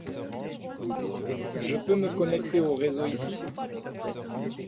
Je peux me connecter au réseau ici ?